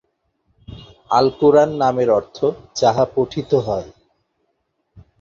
‘আল-কুরআন’ নামের অর্থ যাহা পঠিত হয়।